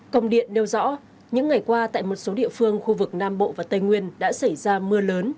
công điện nêu rõ những ngày qua tại một số địa phương khu vực nam bộ và tây nguyên đã xảy ra mưa lớn